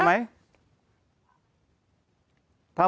ไม่ใช่ค่ะ